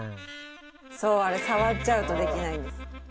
「そうあれ触っちゃうとできないんです」